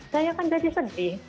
saya kan jadi sedih